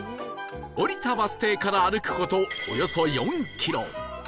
降りたバス停から歩く事およそ４キロ